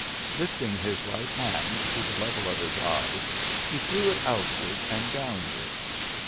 Lifting his right hand to the level of his eyes he threw it outward and downward.